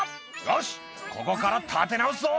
「よしここから立て直すぞ」